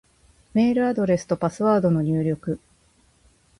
メールアドレスとパスワードの入力